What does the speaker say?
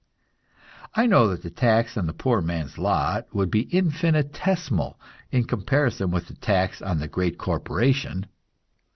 I know that the tax on the poor man's lot would be infinitesimal in comparison with the tax on the great corporation.